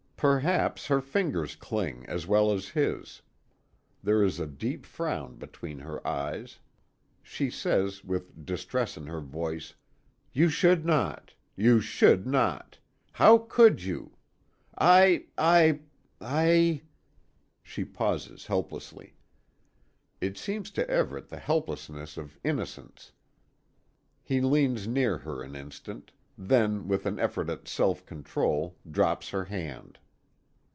Perhaps her fingers cling as well as his. There is a deep frown between her eyes. She says with distress in her voice: "You should not. You should not. How could you? I I I " She pauses helplessly. It seems to Everet the helplessness of innocence. He leans near her an instant; then, with an effort at self control, drops her hand.